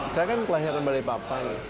saya kan kelahiran balikpapan